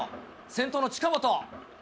先頭の近本。